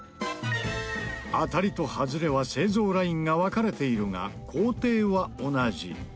当たりとハズレは製造ラインが分れているが工程は同じ。